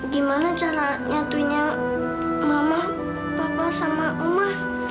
gimana caranya tunyai mama papa sama oma